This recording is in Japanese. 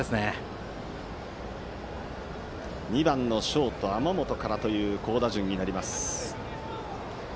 鳥栖工業は２番のショート天本からという好打順になります。